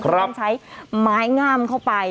เพื่อให้ใช้ไม้งามเข้าไป